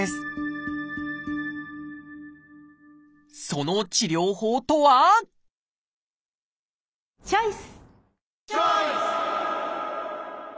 その治療法とはチョイス！